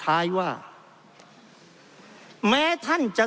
เพราะเรามี๕ชั่วโมงครับท่านนึง